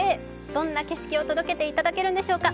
どんな景色を届けていただけるんでしょうか。